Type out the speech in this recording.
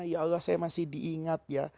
ya allah saya masih diingat ya